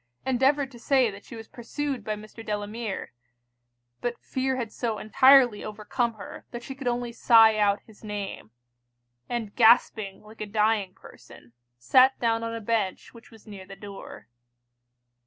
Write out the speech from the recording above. endeavoured to say that she was pursued by Mr. Delamere; but fear had so entirely overcome her, that she could only sigh out his name; and gasping like a dying person, sat down on a bench which was near the door.